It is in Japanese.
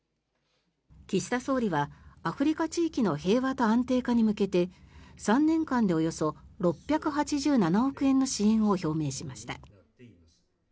岸田総理はアフリカ地域の平和と安定化に向けて３年間でおよそ６８７億円の支援を表明しました。